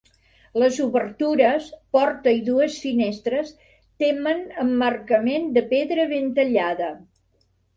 Les obertures -porta i dues finestres-, temen emmarcament de pedra ben tallada.